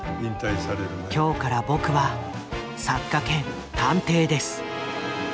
今日から僕は作家兼探偵です」。